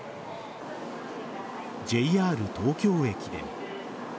ＪＲ東京駅でも。